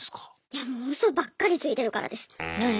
いやもうウソばっかりついてるからです。